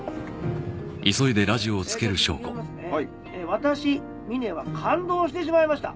「私みねは感動してしまいました」